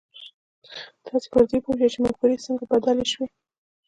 تاسې به پر دې پوه شئ چې مفکورې څنګه بدلې شوې.